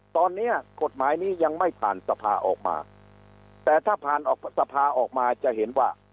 ตอนนี้กฎหมายนี้ยังไม่ผ่านสภาออกมาแต่ถ้าผ่านออกสภาออกมาจะเห็นว่า